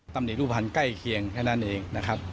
ตำหนิรูปภัณฑ์ใกล้เคียงแค่นั้นเองนะครับ